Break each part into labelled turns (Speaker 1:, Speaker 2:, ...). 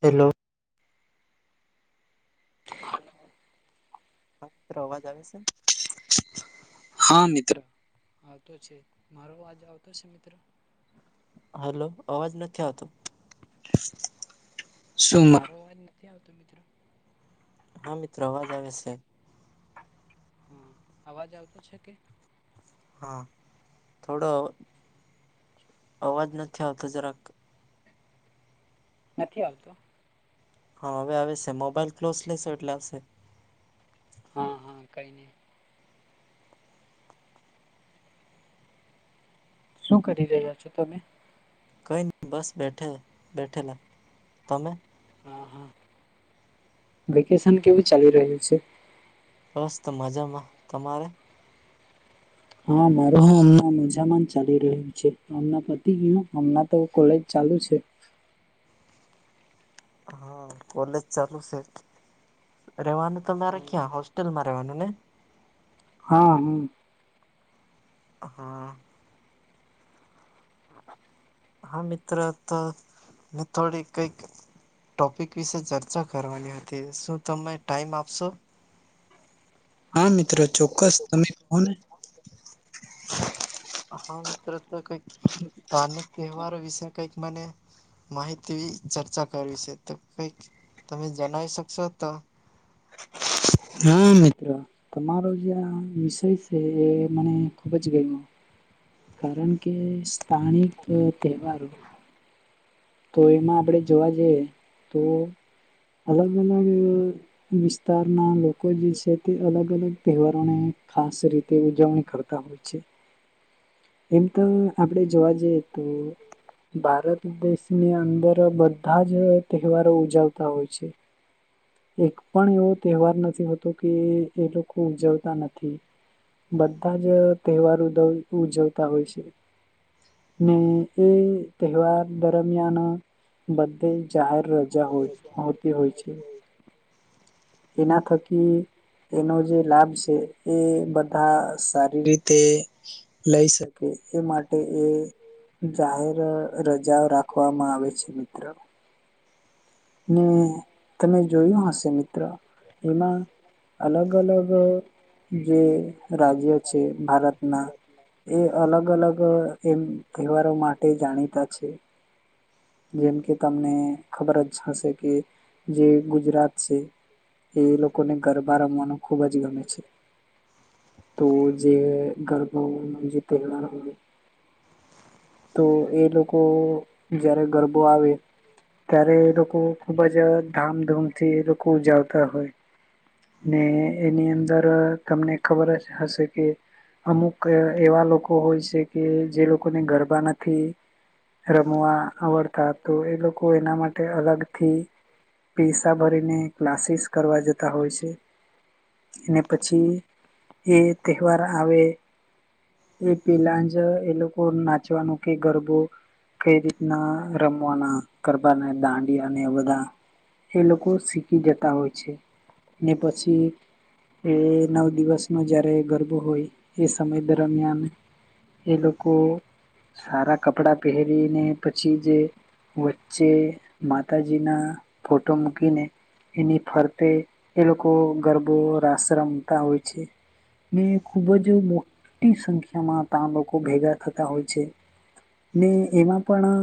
Speaker 1: Hello હા, મિત્ર અવાજ આવે છે?
Speaker 2: હા મિત્ર આવતો છે, મારો અજ આવતો છે મિત્ર?
Speaker 1: હલો, અવાજ નથી આવતો.
Speaker 2: [unintelligible] આવતો મિત્ર
Speaker 1: હા મિત્ર, અવાજ આવે છે.
Speaker 2: હા, અવાજ આવતો છે કે?
Speaker 1: હા, થોડો અવાજ નથી આવતો જરાક.
Speaker 2: નથી આવતો.
Speaker 1: હા, હવે આવે છે. મોબાઈલ ક્લોઝ લેેશે એટલે આવશે.
Speaker 2: હા હા કઈની શું કરી રહ્યા છો, તમે?
Speaker 1: કંઈ નહી બસ બેઠે બેઠેલા, તમે?
Speaker 2: હા હા વેકેશન કેવું ચાલી રહ્યું છે?
Speaker 1: બસ મજામાં, તમારે?
Speaker 2: હા માર હ હમણા મજામાં ચાલી રહ્યું. મ પતિ કયો હમણા તો કોલેજ ચાલુ છે.
Speaker 1: હા કોલેજ ચાલુ છે. રવાનું તોરે ક્યાં હોસ્ટેલમાં રહેવાનું ને?
Speaker 2: હા હમ.
Speaker 1: હા. હા મિત્ર તો મે થોડી કઈક ટોપિક વિશે ચર્ચા કરવાની હતી શું તમે ટાઈમ આપશો?
Speaker 2: હા મિત્રો ચોક્કસ તમે કહો ને.
Speaker 1: હા મિત્ર તો કોઈ સ્થાનિક તહેવારો વિશે કંઈક મને માહિતી ચર્ચા કરવી છે તો કઈક તમે જણાવ શકશો તો.
Speaker 2: હા મિત્રો તમારો જે આ વિષય છે એ મને ખુબ જ ગયમો. કારણ કે સ્થાનિક તહેવારો. તો એમાં આપણેે જોવા જઈએ તો અલગ અલગ વિસ્તારના લોકો જે છે તે અલગ અલગ તહેવારોને ખાસ રીતે ઉજવણી કરતા હો છે. એમ તો આપડે જોવા જઈએ તો ભારત દેશની અંદર બધા જ તહેવારો ઉજવતા હોય છે. એક પણ એવો તહેવાર નથી હોતો કે એ લોકો ઉજવતા નથી. બધા જ તહેવાર ઉ ઉજવતા હોય છે. ને એ તહેવાર દરમિયાન બધે જાહેર રજા હોય હોતી હોય છે. એના થકી એનો જે લાભ છે એ બધા સારી રીતે લઈ શકે એ માટે એ જાહેર રજાઓ રાખવામાં આવે છે મિત્ર. ને તમે જોયું હશે મિત્ર એમાં અલગ અલગ જે રાજ્ય છે ભારતના. એ અલગ અલગ એમ તહેવારો માટે જાણીતા છે. જેમ કે તમને ખબર જ હશે કે, જે ગુજરાત છે. એ લોકોને ગરબા રમવાનું ખુબ જ ગમે છે. તો જે ગરબા જે તહેવાર હો તો એ લોકો જારે ગરબો આવે. ત્યારે લોકો ખુબ જ ધામધૂમ થી લોકોજાવતા હોય. ને એની અંદર તમને ખબર જ હશે કે અમુક એવા લોકો હોય છે કે જે લોકોને ગરબા નથી. રમવા આવડતા તો એ લોકો એના માટે અલગથી પૈસા ભરીને ક્લાસીસ કરવા જતા હોય છે. અને પછી એ તહેવાર આવે. એ પેલા જ એ લોકો નાચવાનું કે ગરબો કઈ રીતે ના રમવાના ગરબાને દાંડી અને બધા એ લોકો શીખી જતા હોય છે ને પછી એ નવ દિવસ નો જયારે ગરબો હોય એ સમય દરમિયાન એ લોકો સારા કપડાં પહેરી પછી જે વચ્ચે માતાજીના ફોટો મૂકીને. એની ફરતે એ લોકો ગરબો રાસ રમતા હોય છે. ને ખૂબ જ મોટી સંખ્યામાં ત્યા લોકો ભેગા થતા હોય છે. ને એમાં. પણ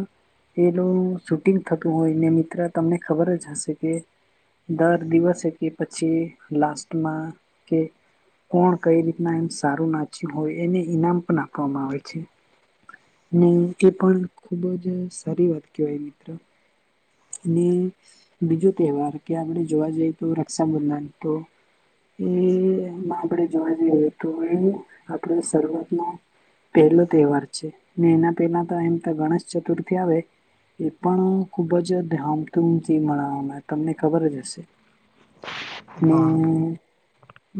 Speaker 2: એનું શૂટિંગ થતું હોય ને મિત્ર તમને ખબર જ હશે કે. દર દિવસે કે પછી લાસ્ટમાં કે કોણ કઈ રીતના એમ સારું નાચ્યું હોય એને ઈનામ પણ આપવામાં આવે છે. ને એ પણ ખુબ જ સારી વાત કહેવાય મિત્ર અને બીજો તહેવાર કે આપણે જોવા જઈએ તો રક્ષાબંધન તો એમાં આપણેે જોવા જઈએ તો એ આપડ શરૂઆતમાં. પહેલો તહેવાર છે એના પેલા તો એમ તો ગણેશ ચતુર્થી આવે. એ પણ ખુબ ખૂબ જ ધામધૂમથી મળવાના તમને ખબર જ હશે. ને
Speaker 1: હા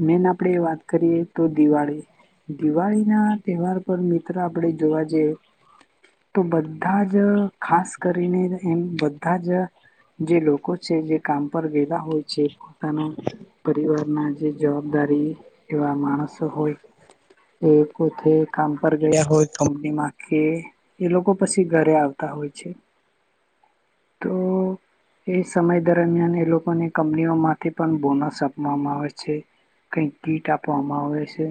Speaker 2: મેન આપડે વાત કરીએ તો દિવાળી. દિવાળી ના તહેવાર પર મિત્ર આપડે જોવા જઈએ. તો બધા જ ખાસ કરીને એમ. બધા જ જે લોકો છે જે કામ પર ગયેલા હોય છે પોતાનો પરિવાર ના જે જવાબદારી એવા માણસો હોય. એ પોતે કામ પર ગયા હોય કંપની મા કે. એ લોકો પછી ઘરે આવતા હોય છે. તો. એ સમય દરમિયાન એ લોકોની કંપનીઓ માંથી પણ બોનસ આપવામાં આવે છે. કઈ કીટ આપવામાં આવે છે.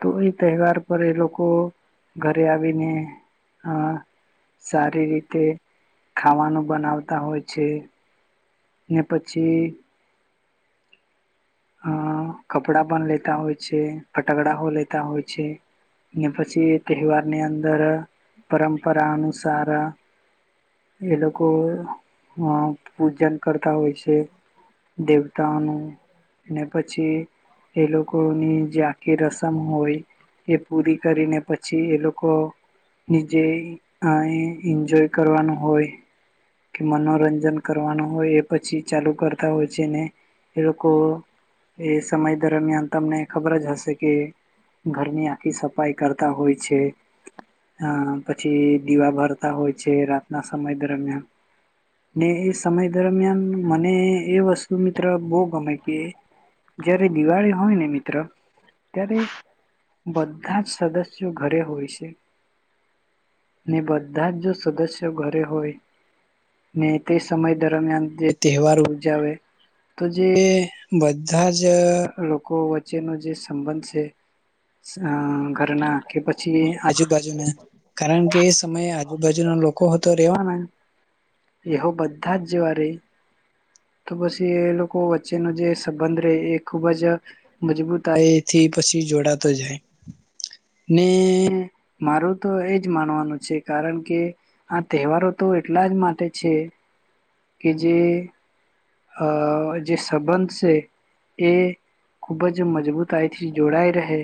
Speaker 2: તો એ તહેવાર પર એ લોકો ઘરે આવીને. હા સારી રીતે. ખાવાનું બનાવતા હોય છે. ને પછી. અ કપડા બંધ લેતા હોય છે ફટકડાઓ લેતા હોય છે. ને પછી તહેવાર ની અંદર પરંપરા અનુસાર. એ લોકો પૂજન કરતા હોય છે. દેવતાનું અને પછી. એ લોકો ની જે આખી રસમ હોય એ પૂરી કરીને પછી એ લોકો. લોકો નીચે આય એન્જોય કરવાનું હોય. કે મનોરંજન કરવાનું હોય એ પછી ચાલુ કરતા હોય છે, ને એ લોકો એ સમય દરમિયાન તમને ખબર જ હશે, કે ઘરની આખી સફાઈ કરતા હોય છે, હ પછી દીવા ભરતા હોય છે, રાતના સમય દરમિયાન ને એ સમય દરમિયાન મને એ વસ્તુ મિત્ર બહુ ગમે કે જયારે દિવાળી હોય ને મિત્ર ત્યારે. બધા જ સદસ્યો ઘરે હોય છે ને બધા જ સદસ્યો ઘરે હોય. ને તે સમય દરમિયાન જે તહેવાર ઉજાવે. તો જે બધા જ લોકો વચ્ચેનો જે સંબંધ છે. ઘરના કે પછી આજુબાજુના. કારણ કે એ સમયે આજુબાજુના લોકો તો રેહેવાના એવો બધા જ [unintelligible] તો પછી એ લોકો વચ્ચેનો જે સંબંધ રહે, એ ખુબ જ મજબૂતથી પછી જોડાતો જાય ને મારું તો એજ માનવાનું છે કારણ કે, આ તહેવારો તો એટલા જ માટે છે, કે જે અ જે સંબંધ છે, એ ખુબ જ મજબૂતાઈથી જોડાય રહે,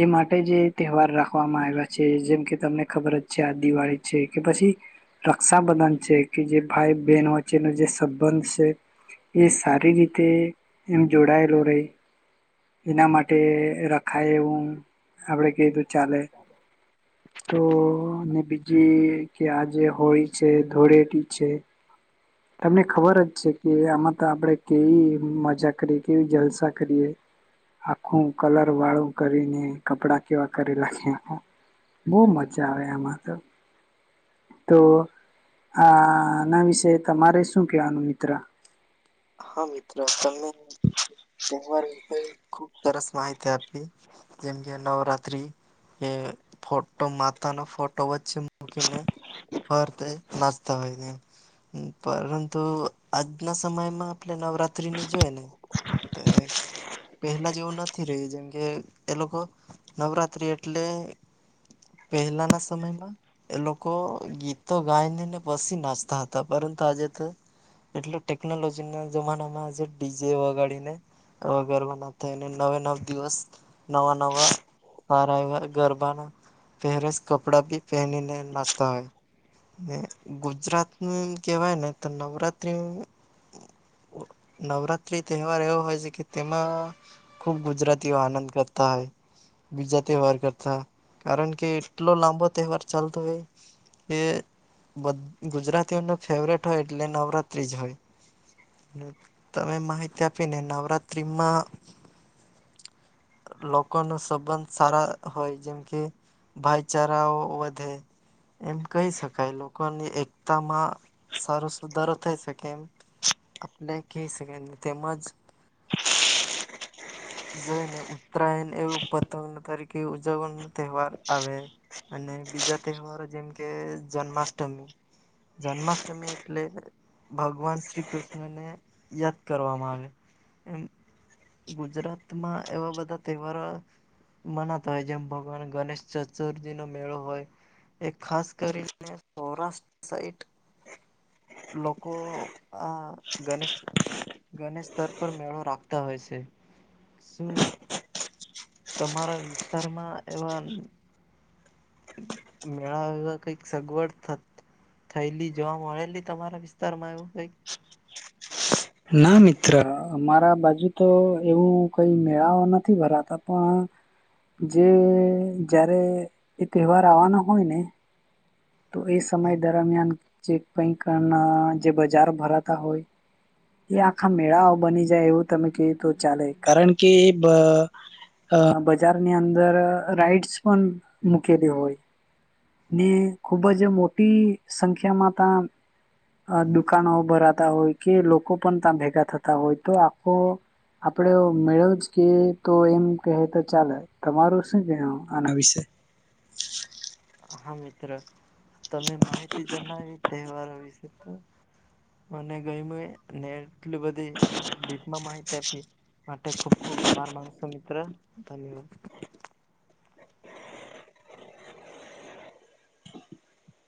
Speaker 2: એ માટે જે તહેવાર રાખવામાં આવ્યા છે, જેમ કે તમને ખબર જ છે આ દિવાળી છે કે પછી રક્ષાબંધન છે, કે જે ભાઈ બહેન વચ્ચેનો જે સબંધ છે, છે, એ સારી રીતે એમ જોડાયેલો રેય એના માટે રખાયવું આપડે કીધું ચાલે, તો બીજી કે આજે હોળી છે, ધોળેટી છે,
Speaker 1: [inaudible]
Speaker 2: તમને ખબર જ છે કે આમાં તો આપણેે કેવી મજા કરીએ કેવી જલસા કરીએ, આખું કલર વાળું કરીને કપડા કેવા કરેલા છે. બહુ મજા આવે આમાં તો. તો આના વિશે તમારે શું કેવાનું મિત્ર
Speaker 1: હા, મિત્ર તમે તહેવાર વિશે ખુબ સરસ માહિતી આપી. જેમ કે નવરાત્રી, એ ફોટો માતાનો ફોટો વચ્ચે મૂકીને ફરતે નાચતા હોયને, એ પરંતુ આજના સમય મા આપણે નવરાત્રી ને જોય ને, પેહલા જેવું નથી રહ્યું, જેમ કે એ લોકો નવરાત્રી એટલે પહેલાના સમયમાં એ લોકો ગીતો ગાઈનેને પછી નાચતા હતા, પરંતુ આજે તો એટલે ટેકનોલોજી ના જમાનામાં આજે ડીજે વગાડીને વગરવાના થઈને નવે નવ દિવસ નવા નવા સારા એવા ગરબાના પહેરેસ કપડા ભી પહેનીને નાચતા હોય, ને ગુજરાતનું એમ કહેવાય ને તો નવરાત્રી નવરાત્રી તહેવાર એવો હોય છે, કે તેમાં ખુબ ગુજરાતીઓ આનંદ કરતા હોય. બીજા તહેવાર કરતા કારણ કે એટલો લાંબો તહેવાર ચાલતો હોય, એ [inaudible] ગુજરાતીઓને ફેવરેટ હોય એટલે નવરાત્રિ જ હોય. ને તમે માહિતી આપીને નવરાત્રીમાં લોકો નો સંબંધ સારા હોય, જેમ કે ભાઈચારાઓ વધે એમ કહી શકાય લોકોની એકતામાં સારો સુધારો થઈ શકે, એમ આપલે કે સને તેમજ જોઈને ઉત્તરાયણ એવું પતંગ તરીકે ઉજવણી ન તહેવાર આવે. અને બીજા તહેવારો જેમ કે જન્માષ્ટમી. જન્માષ્ટમી એટલે ભગવાન શ્રી કૃષ્ણને યાદ કરવામાં આવે, એમ ગુજરાતમાં એવા બધા તહેવારો મનાતા હોય, જેમ ભગવાન ગણેશ ચતુર્થી નો મેળો હોય. એ ખાસ કરીને સૌરાષ્ટ્ર સાઈટ લોકો આ ગનેશ ગનેશ સ્તર પર મેળો રાખતા હોય છે. શું તમારા વિસ્તારમાં એવા મેળા એવા કઈક સગવડ થત થયેલી જોવા મળેલી તમારા વિસ્તાર માં એવું કઈક?
Speaker 2: ના મિત્ર મારા બાજુ તો એવું કઈ મેળાઓ નથી ભરાતા પણ. જે જારે એ તહેવાર આવવાનો હોય ને. તો એ સમય
Speaker 1: હા
Speaker 2: દરમિયાન જે કઈક કારના જે બજાર ભરાતા હોય. એ આખા મેળાઓ બની જાય એવું તમે કે તો ચાલે કારણકે એ બ અહ બજારની અંદર રાઈટસ પણ મૂકેલી હોય. ને ખુબજ મોટી સંખ્યામાં તા અહ દુકાનો ભરાતા હોય કે લોકો પણ ત્યાં ભેગા થતા હોય તો આખો આપડે મેળો જ કે તો એમ કેહ તો ચાલે. તમારું શું કહેવું, આના વિશે?
Speaker 1: હા મિત્ર, તમે માહિતી જનાવી તહેવારો વિશે તો મને ગયમુએ ને એટલી બધી ડીપમાં માહિતી આપી. માટે ખુબ ખુબ આભાર માણસો મિત્ર ધન્યવાદ.